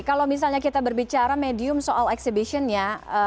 kalau misalnya kita berbicara medium soal exhibitionnya